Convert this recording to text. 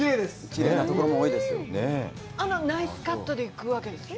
きれいなところも多いですよ。